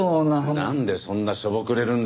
なんでそんなしょぼくれるんだ。